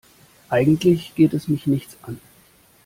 Eigentlich geht es mich nichts an.